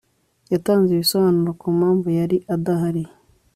yatanze ibisobanuro ku mpamvu yari adahari